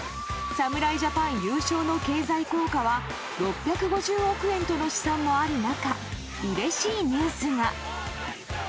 侍ジャパン優勝の経済効果は６５０億円との試算もある中うれしいニュースが。